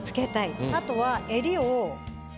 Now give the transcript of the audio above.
あとは。